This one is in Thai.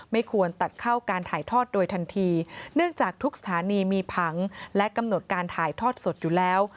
ไม่ควรตัดเข้าการถ่ายทอดโดยทันทีเนื่องจากทุกสถานีมีผังและกำหนดการถ่ายทอดสดอยู่แล้ว